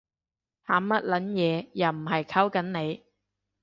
慘乜撚嘢？，又唔係溝緊你